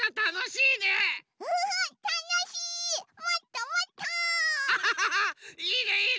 いいねいいね！